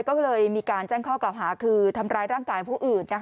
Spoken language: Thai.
ก็เลยมีการแจ้งข้อกล่าวคือทำร้ายร่างกายเกิด